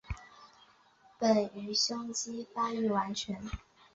本鱼胸鳍发育完全。